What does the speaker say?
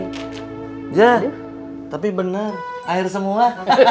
iya tapi benar air semua